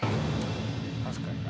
確かにな。